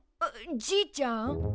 じいちゃん？